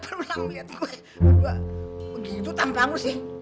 berapa urang ngeliat gue berdua begitu tampaknya sih